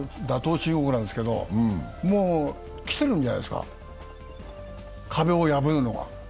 中国なんですけど、もう来てるんじゃないですか、壁を破るのが。